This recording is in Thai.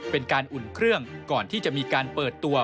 เป็นการอุ่นเครื่องก่อนที่จะมีการเปิดตัว